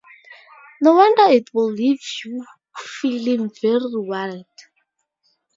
No wonder it will leave you feeling very rewarded.